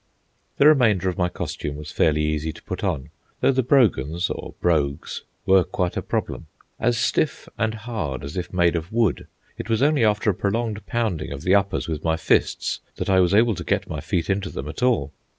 The remainder of my costume was fairly easy to put on, though the brogans, or brogues, were quite a problem. As stiff and hard as if made of wood, it was only after a prolonged pounding of the uppers with my fists that I was able to get my feet into them at all.